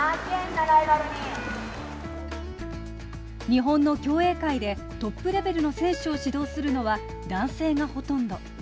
日本の競泳界でトップレベルの選手を指導するのは男性がほとんど。